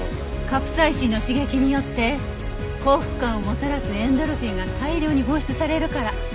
カプサイシンの刺激によって幸福感をもたらすエンドルフィンが大量に放出されるから。